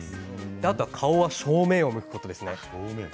あと顔は正面を向くことですね。